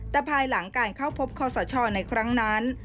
แต่ภายหลังการเข้าพบคอสชในครั้งนั้น